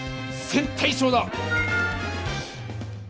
「線対称」だ！